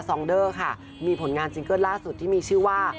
องเดอร์ค่ะมีผลงานซิงเกิ้ลล่าสุดที่มีชื่อว่า